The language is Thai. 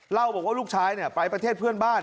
เล่าบอกว่าลูกชายไปประเทศเพื่อนบ้าน